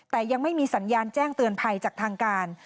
แต่ยังไม่มีสัญญาณแจ้งเตือนภัยจากทางการ